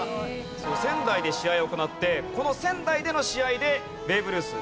仙台で試合を行ってこの仙台での試合でベーブ・ルース